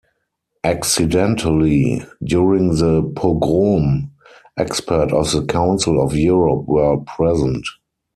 Accidentally, during the pogrom, experts of the Council of Europe were present.